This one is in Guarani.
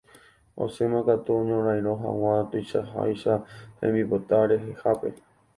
Osẽmakatu oñorairõ hag̃ua tuichaháicha hembipota rehehápe.